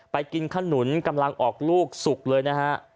กินขนุนกำลังออกลูกสุกเลยนะฮะ